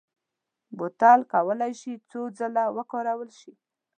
بوتل کولای شي څو ځله وکارول شي.